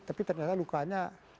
tapi ternyata lukanya